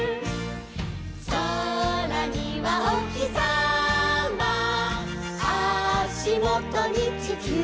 「そらにはおひさま」「あしもとにちきゅう」